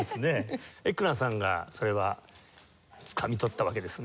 エックナーさんがそれはつかみ取ったわけですね？